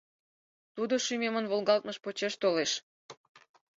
Тудо шӱмемын волгалтмыж почеш толеш...